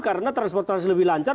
karena transportasi lebih lancar